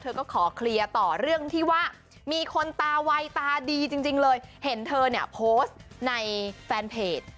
ที่ลงมือวี๊ดใส่สามีบ้าง